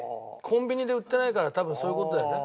コンビニで売ってないから多分そういう事だよね。